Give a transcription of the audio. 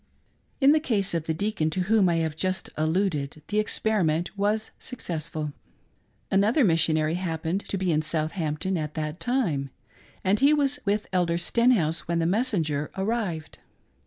In the case of the deacon to whom I have just alluded, the experiment was successful. Another missionary happened to be in Southampton at that time, and he was with Elder Sten house when the messenger arrived.